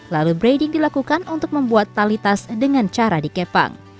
lalu brading dilakukan untuk membuat tali tas dengan cara dikepang